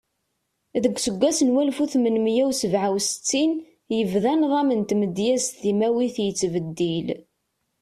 Deg useggas n walef u tmenmiya u sebɛa U settin, yebda nḍam n tmedyazt timawit yettbeddil.